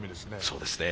そうですね。